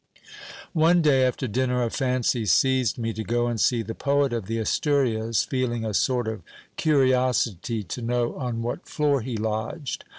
One day, after dinner, a fancy seized me to go and see the poet of the Asturias, feeling a sort of curiosity to know on what floor he lodged.